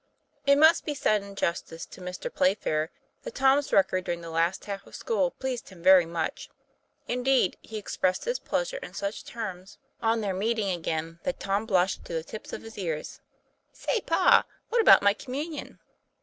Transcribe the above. IT must be said in justice to Mr. Playfair that Tom's record during the last half of school pleased him very much. Jndeed, he expressed his pleasure in such terms on 202 TOM PLA YFAIR. their meeting again that Tom blushed to the tips of his ears. " Say, pa, what about my Communion